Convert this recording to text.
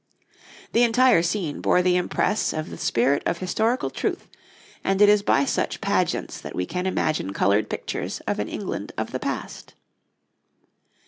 The entire scene bore the impress of the spirit of historical truth, and it is by such pageants that we can imagine coloured pictures of an England of the past.